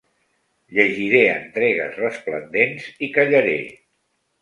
Llegiré entregues resplendents i callaré.